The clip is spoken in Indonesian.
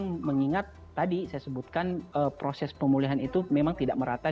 dan mengingat tadi saya sebutkan proses pemulihan itu memang tidak merata